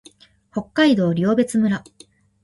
北海道留夜別村